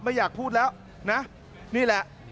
ไม่อยากพูดแล้วนะนี่แหละ